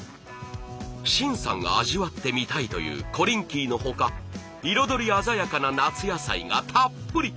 愼さんが味わってみたいというコリンキーのほか彩り鮮やかな夏野菜がたっぷり。